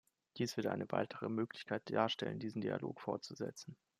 Dies wird eine weitere Möglichkeit darstellen, diesen Dialog fortzusetzen.